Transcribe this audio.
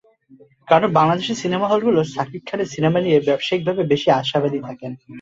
কারণ, বাংলাদেশের সিনেমা হলগুলো শাকিব খানের সিনেমা নিয়ে ব্যবসায়িকভাবে বেশি আশাবাদী থাকেন।